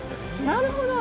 なるほど。